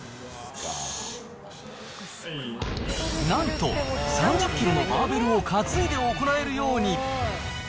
なんと、３０キロのバーベルを担いで行えるように。